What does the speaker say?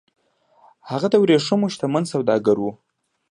هغه د ورېښمو شتمن سوداګر و